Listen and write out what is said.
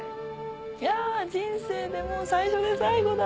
いや人生で最初で最後だ。